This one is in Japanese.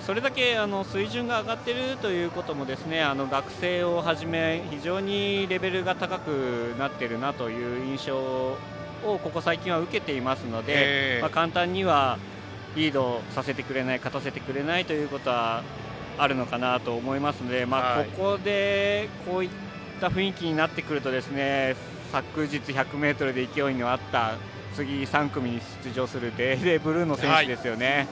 それだけ水準が上がっているということも学生をはじめ、非常にレベルが高くなっているなという印象をここ最近は受けていますので簡単にはリードさせてくれない勝たせてくれないということはあるのかなと思いますのでここで、こういった雰囲気になってくると昨日１００ｍで勢いのあった次、３組に出場するデーデーブルーノ選手ですよね。